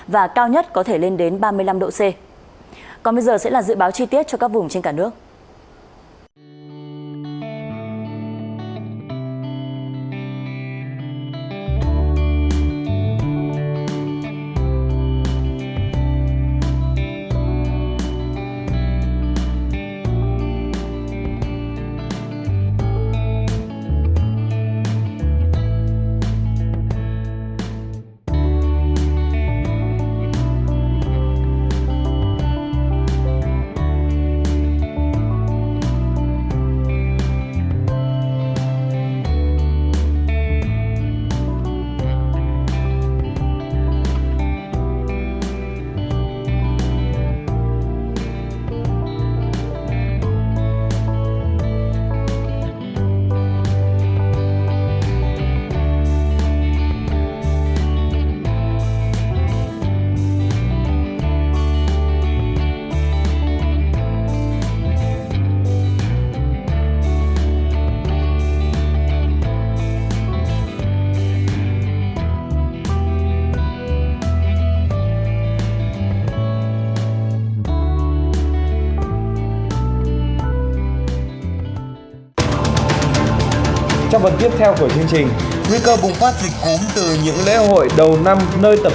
và cao nhất có thể lên đến ba mươi năm độ c